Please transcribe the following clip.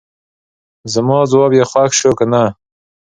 زما جواب یې خوښ شو کنه.